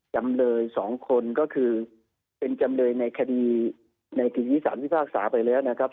จำเลย๒คนก็คือเป็นจำเลยในคดีในสิ่งที่สารพิพากษาไปแล้วนะครับ